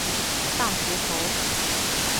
大学头。